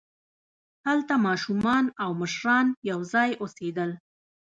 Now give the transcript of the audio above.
هلته ماشومان او مشران یوځای اوسېدل.